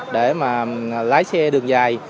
để mà lái xe đường dài